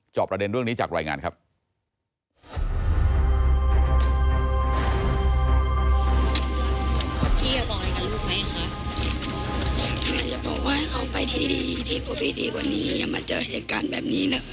ประเด็นเรื่องนี้จากรายงานครับ